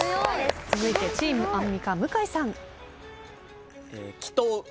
続いてチームアンミカ向井さん。